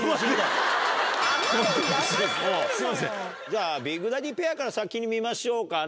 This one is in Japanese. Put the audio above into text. じゃあビッグダディペアから先に見ましょうかね。